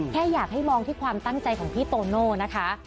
แค่อยากให้มองที่ความตั้งใจของพี่โตโน่นะคะ